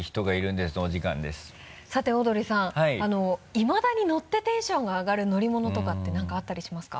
いまだに乗ってテンションが上がる乗り物とかって何かあったりしますか？